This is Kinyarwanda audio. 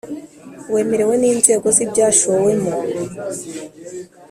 Wemewe n inzego z ibyashowemo